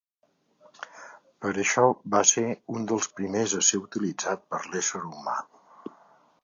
Per això va ser un dels primers a ser utilitzat per l'ésser humà.